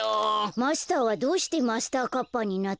マスターはどうしてマスターカッパーになったの？